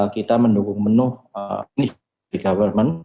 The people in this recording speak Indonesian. kita mendukung menuh teknis di government